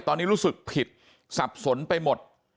ตอนนี้รู้สึกผิดสับสนไปหมด